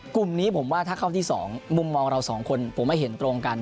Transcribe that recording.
กลุ่มนี้ผมว่าถ้าเข้าที่๒มุมมองเราสองคนผมไม่เห็นตรงกัน